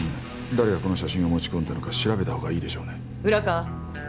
誰がこの写真を持ち込んだのか調べた方がいいでしょうね浦川承知しました